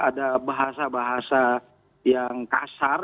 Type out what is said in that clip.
ada bahasa bahasa yang kasar